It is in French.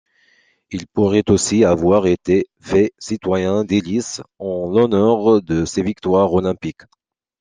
Il pourrait aussi avoir été fait citoyen d'Élis en l'honneur de ses victoires olympiques.